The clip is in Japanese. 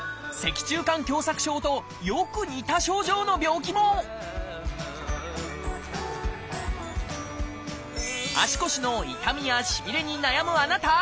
脊柱管狭窄症とよく似た症状の病気も足腰の痛みやしびれに悩むあなた！